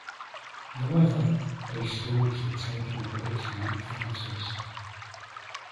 However, these stones were taken away to make fences.